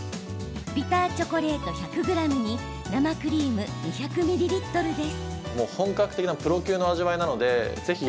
ビターチョコレート１００ｇに生クリーム２００ミリリットルです。